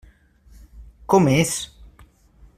Com és?